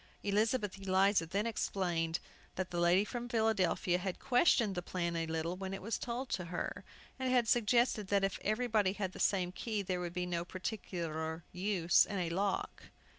Elizabeth Eliza then explained that the lady from Philadelphia had questioned the plan a little when it was told her, and had suggested that "if everybody had the same key there would be no particular use in a lock."